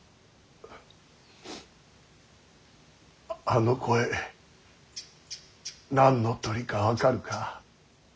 あの声何の鳥か分かるか。